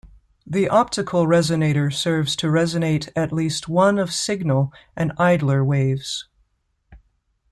The optical resonator serves to resonate at least one of signal and idler waves.